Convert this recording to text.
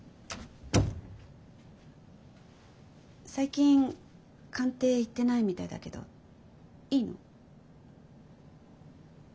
最近官邸行ってないみたいだけどいいの？